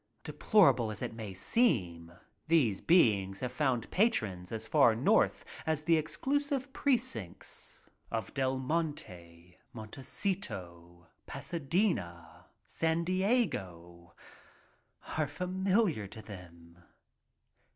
Deplorable as it may seem these beings have found patrons as far north as the exclusive pre cincts of Del Monte. Montecito, Pasadena, San Diego, are familiar to them.